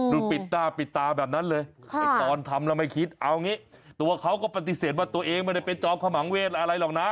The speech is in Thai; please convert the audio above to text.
ปิดหน้าปิดตาแบบนั้นเลยตอนทำแล้วไม่คิดเอางี้ตัวเขาก็ปฏิเสธว่าตัวเองไม่ได้เป็นจอมขมังเวศอะไรหรอกนะ